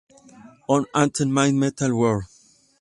Owl Ate My Metal Worm".